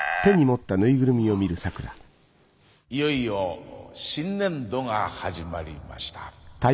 いよいよ新年度が始まりました。